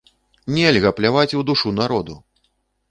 Нельга пляваць у душу народу!